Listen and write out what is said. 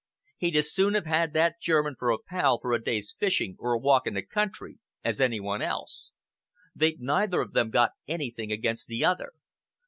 He'd as soon have had that German for a pal for a day's fishing or a walk in the country, as any one else. They'd neither of them got anything against the other.